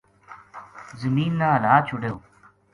زمین نا ہلا چھوڈے گو